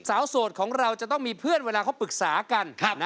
โสดของเราจะต้องมีเพื่อนเวลาเขาปรึกษากัน